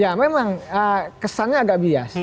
ya memang kesannya agak bias